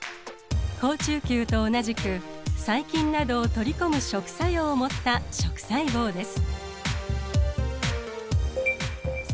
好中球と同じく細菌などを取り込む食作用を持った食細胞です。